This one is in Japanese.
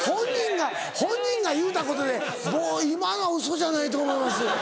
本人が言うたことで「今のウソじゃないと思います」。